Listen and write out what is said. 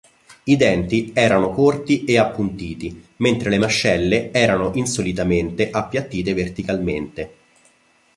I denti erano corti e appuntiti, mentre le mascelle erano insolitamente appiattite verticalmente.